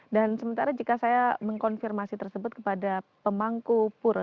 dan sementara jika saya mengkonfirmasi tersebut kepada pemangku pura